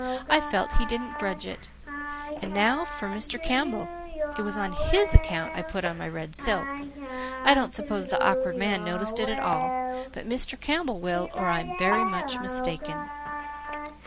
"I felt he didn't grudge it. And now for Mr. Campbell. It was on HIS account I put on my red silk. I don't suppose the Awkward Man noticed it at all, but Mr. Campbell will, or I'm much mistaken."